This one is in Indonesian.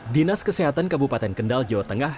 dinas kesehatan kabupaten kendal jawa tengah